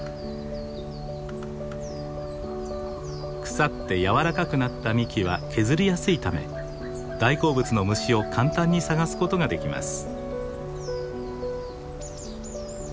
腐って柔らかくなった幹は削りやすいため大好物の虫を簡単に探すことができます。